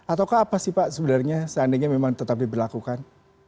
ataukah apa sih pak sebenarnya seandainya memang tetap diberlakukan